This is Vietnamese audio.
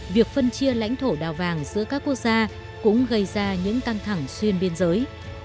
việc phân chia lãnh thổ đào vàng giữa các quốc gia cũng gây ra những căng thẳng xuyên biên giới